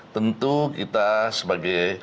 jadi kita sebagai